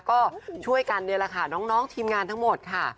ก็ช่วยกันนี่แหละค่ะน้องทีมงานทั้งหมดค่ะ